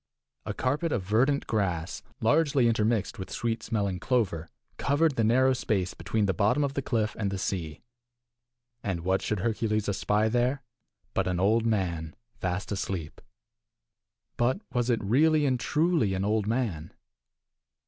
A carpet of verdant grass, largely intermixed with sweet smelling clover, covered the narrow space between the bottom of the cliff and the sea. And what should Hercules espy there but an old man fast asleep. But was it really and truly an old man?